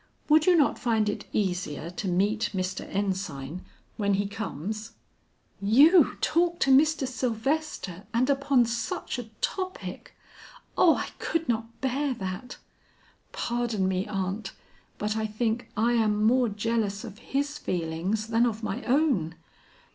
Would you not find it easier to meet Mr. Ensign when he comes?" "You talk to Mr. Sylvester, and upon such a topic! Oh, I could not bear that. Pardon me, aunt, but I think I am more jealous of his feelings than of my own.